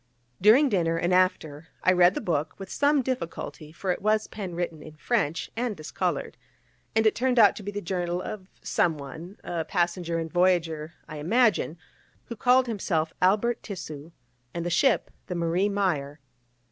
During dinner, and after, I read the book, with some difficulty, for it was pen written in French, and discoloured, and it turned out to be the journal of someone, a passenger and voyager, I imagine, who called himself Albert Tissu, and the ship the Marie Meyer.